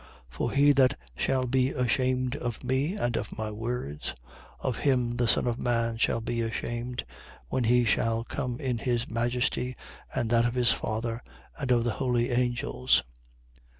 9:26. For he that shall be ashamed of me and of my words, of him the Son of man shall be ashamed, when he shall come in his majesty and that of his Father and of the holy angels.